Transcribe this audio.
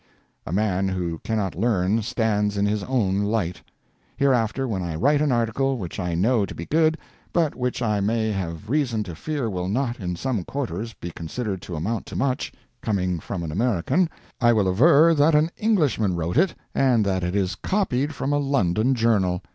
A man who cannot learn stands in his own light. Hereafter, when I write an article which I know to be good, but which I may have reason to fear will not, in some quarters, be considered to amount to much, coming from an American, I will aver that an Englishman wrote it and that it is copied from a London journal.